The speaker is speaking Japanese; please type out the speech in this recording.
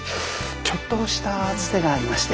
ちょっとしたツテがありまして。